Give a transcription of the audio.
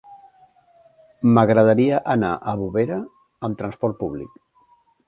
M'agradaria anar a Bovera amb trasport públic.